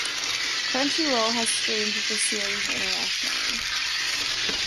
Crunchyroll has streamed the series internationally.